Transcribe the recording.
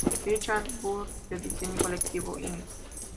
Richard Burns de Diseño Colectivo Inc.